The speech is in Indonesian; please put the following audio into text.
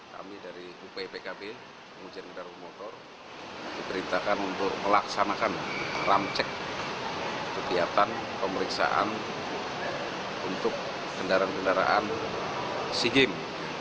kami dari upi pkb pengujian kendaraan bermotor diperintahkan untuk melaksanakan ramcek kegiatan pemeriksaan untuk kendaraan kendaraan si game